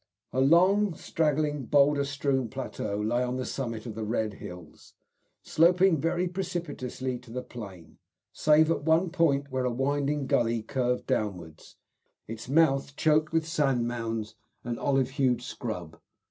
A long, straggling, boulder strewn plateau lay on the summit of the red hills, sloping very precipitously to the plain, save at one point, where a winding gully curved downwards, its mouth choked with sand mounds and olive hued scrub.